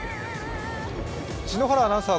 篠原アナウンサー